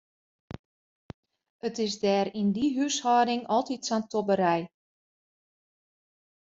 It is dêr yn dy húshâlding altyd sa'n tobberij.